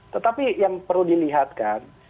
tetapi yang perlu dilihatkan